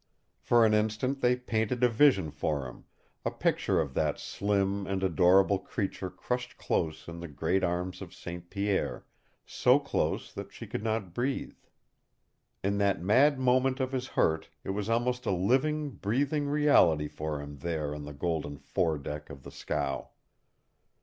For an instant they painted a vision for him, a picture of that slim and adorable creature crushed close in the great arms of St. Pierre, so close that she could not breathe. In that mad moment of his hurt it was almost a living, breathing reality for him there on the golden fore deck of the scow.